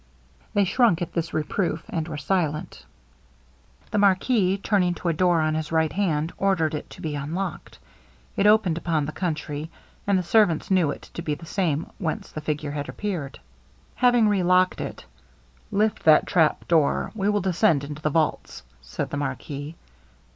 They shrunk at this reproof, and were silent. The marquis turning to a door on his right hand, ordered it to be unlocked. It opened upon the country, and the servants knew it to be the same whence the figure had appeared. Having relocked it, 'Lift that trapdoor; we will desend into the vaults,' said the marquis.